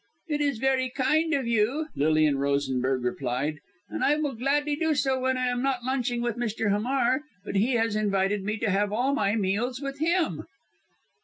"It is very kind of you," Lilian Rosenberg replied, "and I will gladly do so when I am not lunching with Mr. Hamar. But he has invited me to have all my meals with him."